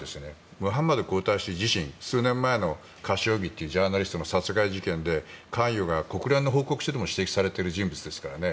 ムハンマド皇太子自身数年前のカショギさんというジャーナリストの殺害事件で関与が国連でも指摘されている事件ですからね。